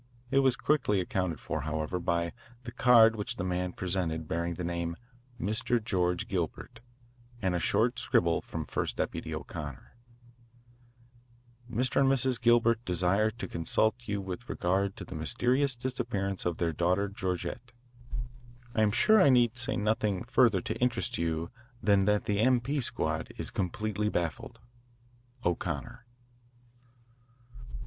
It was quickly accounted for, however, by the card which the man presented, bearing the name "Mr. George Gilbert" and a short scribble from First Deputy O'Connor: Mr. and Mrs. Gilbert desire to consult you with regard to the mysterious disappearance of their daughter, Georgette. I am sure I need say nothing further to interest you than that the M.P. Squad is completely baffled. O'CONNOR.